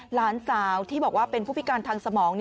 หลานสาวที่บอกว่าเป็นผู้พิการทางสมอง